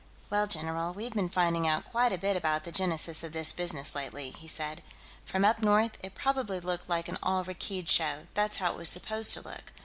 "Well, general, we've been finding out quite a bit about the genesis of this business, lately," he said. "From up north, it probably looked like an all Rakkeed show; that's how it was supposed to look.